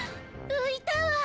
浮いたわ！